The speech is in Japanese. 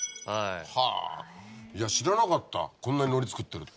はぁいや知らなかったこんなに海苔作ってるって。